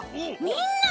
みんな！